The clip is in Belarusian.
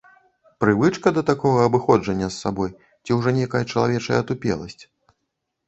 Прывычка да такога абыходжання з сабой ці ўжо нейкая чалавечая атупеласць?